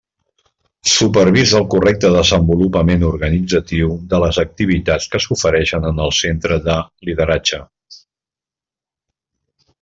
Supervisa el correcte desenvolupament organitzatiu de les activitats que s'ofereixen en el Centre de Lideratge.